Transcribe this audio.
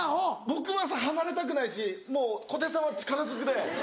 僕は離れたくないしもう小手さんは力ずくで。